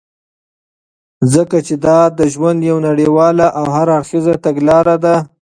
ځكه چې دادژوند يو نړيواله او هر اړخيزه تګلاره ده .